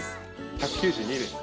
１９２です。